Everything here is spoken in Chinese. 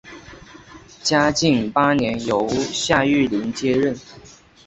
嘉靖八年由夏玉麟接任。